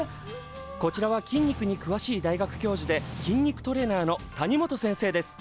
こちらは筋肉にくわしい大学教授で筋肉トレーナーのタニモト先生です。